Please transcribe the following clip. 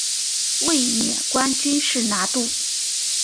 卫冕冠军是拿度。